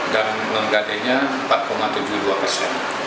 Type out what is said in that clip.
dan menggadaiannya empat tujuh puluh dua persen